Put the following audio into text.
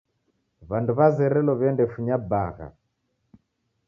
W'andu w'azerelo w'iendefunya bagha.